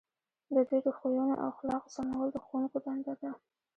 د دوی د خویونو او اخلاقو سمول د ښوونکو دنده ده.